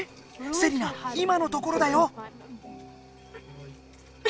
セリナ今のところだよ！